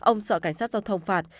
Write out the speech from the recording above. ông sợ cảnh sát giao thông phạt